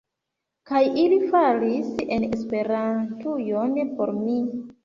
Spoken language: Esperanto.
Kaj ili falis en Esperantujon por mi.